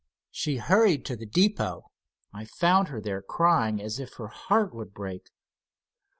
She hurried to the depot. I found her there crying as if her heart would break."